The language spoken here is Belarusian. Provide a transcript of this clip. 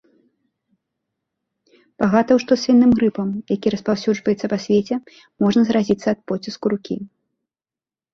Пагатоў што свіным грыпам, які распаўсюджваецца па свеце, можна заразіцца ад поціску рукі.